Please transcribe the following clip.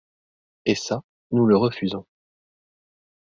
Et ça, nous le refusons.